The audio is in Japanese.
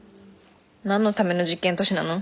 何のための実験都市なの。